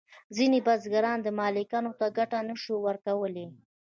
ځینې بزګران مالکانو ته ګټه نشوای ورکولی.